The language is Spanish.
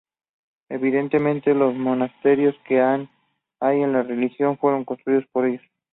Evidentemente los monasterios que hay en la región fueron construidos por ellos.